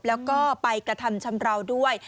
แล้วก็ไปกระทำชำราวด้วย